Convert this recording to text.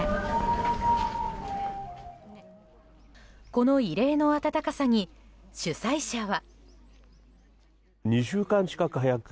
この異例の暖かさに主催者は。